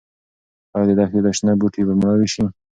ايا د دښتې شنه بوټي به مړاوي شي؟